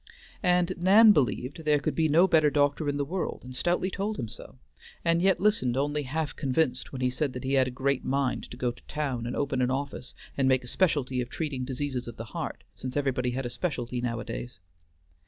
And Nan believed there could be no better doctor in the world, and stoutly told him so, and yet listened only half convinced when he said that he had a great mind to go to town and open an office, and make a specialty of treating diseases of the heart, since everybody had a specialty nowadays.